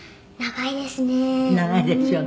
「長いですね」